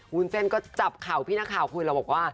วุ้นเซ็นก็จับข่าวพี่หน้าข่าวคุยแล้วบอกว่า